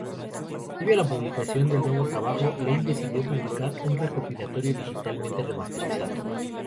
Previo a la publicación del nuevo trabajo, Lynne decidió publicar un recopilatorio digitalmente remasterizado.